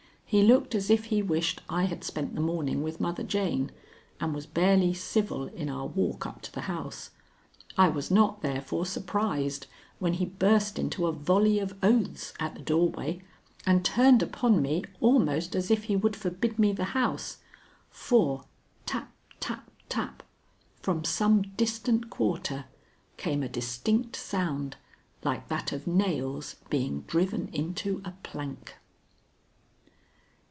He looked as if he wished I had spent the morning with Mother Jane, and was barely civil in our walk up to the house. I was not, therefore, surprised when he burst into a volley of oaths at the doorway and turned upon me almost as if he would forbid me the house, for tap, tap, tap, from some distant quarter came a distinct sound like that of nails being driven into a plank.